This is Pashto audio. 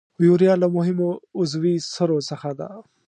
یوریا له مهمو عضوي سرو څخه ده.